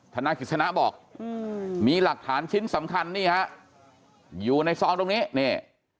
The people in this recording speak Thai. ทนายกิจสนาบอกมีหลักฐานชิ้นสำคัญอยู่ในซองตรงนี้